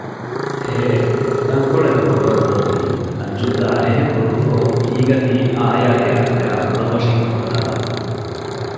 ހެހެހެ ތަންކޮޅެއް ބޮޑުވަރު ދޯ ތީ އަންޖޫދާ އެހެން ބުނުމަށްފަހު ހީގަތީ އާޔާގެ އަތުގައި އުޅަނބޮށިން ކޮށްޓާލަމުން